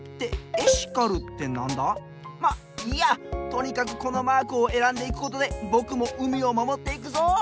とにかくこのマークをえらんでいくことでぼくも海をまもっていくぞ！